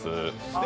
で